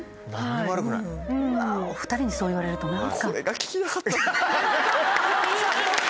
うわお２人にそう言われると何か。